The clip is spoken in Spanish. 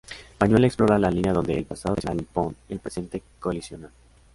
Buñuel explora la línea donde el pasado tradicional nipón y el presente colisionan.